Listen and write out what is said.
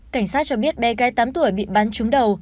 cảnh sát cho biết bé gái tám tuổi bị bắn trúng đầu